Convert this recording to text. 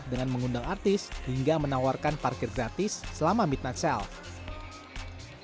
dengan mengundang artis hingga menawarkan parkir gratis selama midnight sale